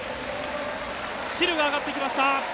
シルが上がってきました。